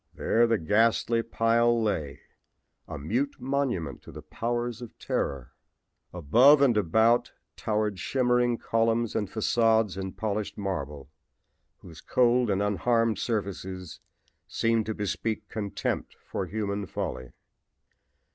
There the ghastly pile lay, a mute monument to the powers of terror. Above and about towered shimmering columns and facades in polished marble, whose cold and unharmed surfaces seemed to bespeak contempt for human folly.